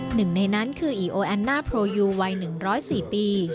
หนึ่งในนั้นคืออีโอแอนน่าโพยูวัย๑๐๔ปี